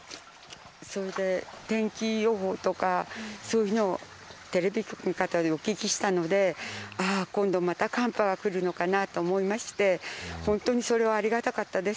それで天気予報とかテレビ局の方に、お聞きしたので今度また寒波がくるのかなと思いまして本当にそれはありがとたかったです。